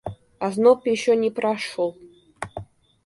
Озноб еще не прошел.